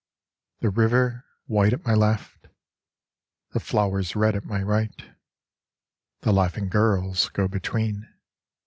The river white at my left : The flowers red at my right : The laughing girls go between.